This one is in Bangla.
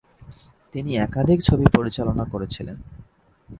তিনি একাধিক ছবি পরিচালনা করেছিলেন।